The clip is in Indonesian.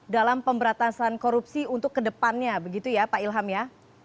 dalam pemberantasan korupsi untuk kedepannya begitu ya pak ilham ya